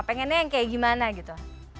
pengennya yang kayak gimana gitu